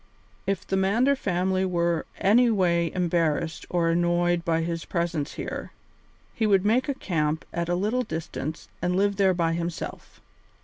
If the Mander family were anyway embarrassed or annoyed by his presence here, he would make a camp at a little distance and live there by himself.